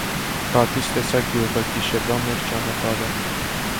բակից տեսա գյուղը, գիշերվա մեր ճանապարհը: